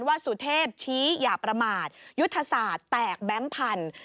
สุเทพชี้อย่าประมาทยุทธศาสตร์แตกแบงค์พันธุ์